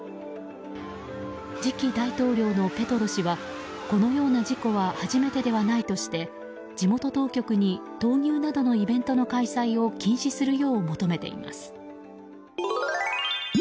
次期大統領のペトロ氏はこのような事故は初めてではないとして地元当局に闘牛などのイベントの開催を禁止するよう求めています。